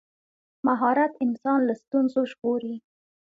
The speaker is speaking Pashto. مهارت انسان له ستونزو ژغوري.